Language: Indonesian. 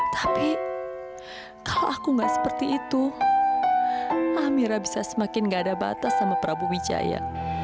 tapi kalau aku nggak seperti itu amira bisa semakin gak ada batas sama prabu wijaya